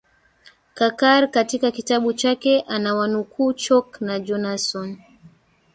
kakar katika kitabu chake anawanukuu chalk na jonassohn